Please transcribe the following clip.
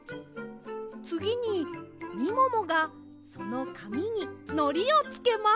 つぎにみももがそのかみにのりをつけます。